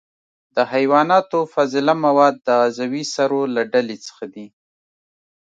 د حیواناتو فضله مواد د عضوي سرو له ډلې څخه دي.